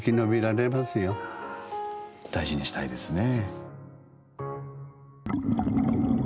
大事にしたいですね。